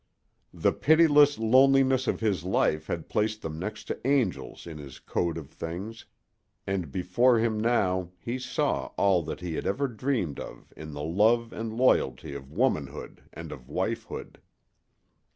The pitiless loneliness of his life had placed them next to angels in his code of things, and before him now he saw all that he had ever dreamed of in the love and loyalty of womanhood and of wifehood.